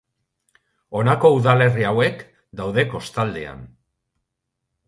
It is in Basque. Honako udalerri hauek daude kostaldean.